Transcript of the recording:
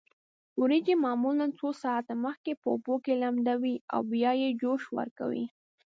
وریجې معمولا څو ساعته مخکې په اوبو کې لمدوي او بیا یې جوش ورکوي.